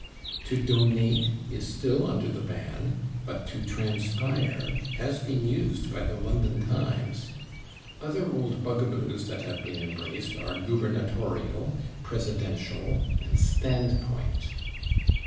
/To donate/ is still under the ban, but /to transpire/ has been used by the /London Times/. Other old bugaboos that have been embraced are /gubernatorial/, /presidential/ and /standpoint